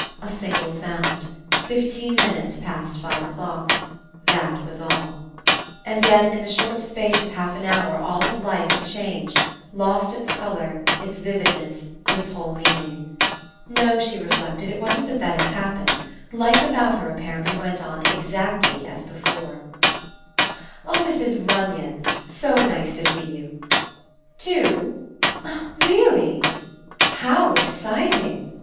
A single sound. Fifteen minutes past five o'clock. That was all ! And yet in the short space of half an hour all of life had changed, lost its colour, Its vividness, its whole meaning. No, she reflected, it wasn't that that had happened. Life about her, apparently, went on exactly as before. "Oh, Mrs. Runyon. ... So nice to see you. ... Two? ... Really? ... How ex citing! ...